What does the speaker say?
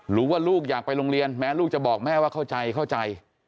หรือว่าลูกอยากไปโรงเรียนแม้ลูกจะบอกแม่ว่าเข้าใจ